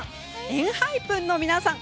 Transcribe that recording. ＥＮＨＹＰＥＮの皆さん